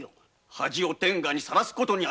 恥を天下にさらす事になる。